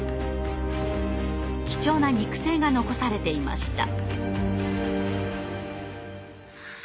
貴重な肉声が残されていました。